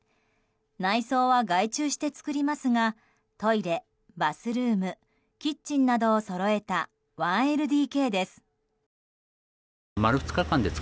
内装は外注して作りますがトイレ、バスルームキッチンなどをそろえた１ＬＤＫです。